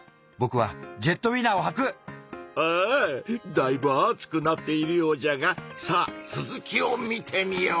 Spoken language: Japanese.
だいぶ熱くなっているようじゃがさあ続きを見てみよう！